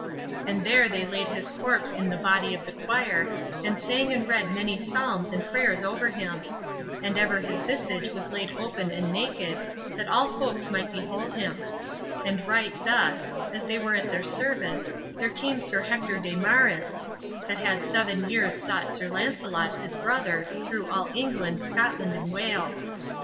And there they laid his corpse in the body of the quire, and sang and read many psalms and prayers over him. And ever his visage was laid open and naked, that all folks might behold him. And right thus, as they were at their service, there came Sir Hector de Maris, that had seven years sought Sir Launcelot, his brother, through all England, Scotland and Wales.